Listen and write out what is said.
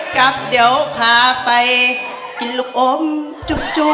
กลับเดี๋ยวพาไปกินลูกอมจุ